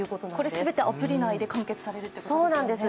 全てアプリ内で完結されるということなんですね。